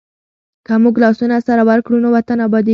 که موږ لاسونه سره ورکړو نو وطن ابادېږي.